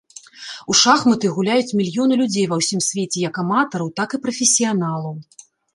У шахматы гуляюць мільёны людзей ва ўсім свеце як аматараў, так і прафесіяналаў.